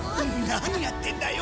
何やってるんだよ。